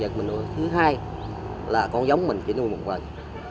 thứ hai là con giống mình chỉ nuôi một lần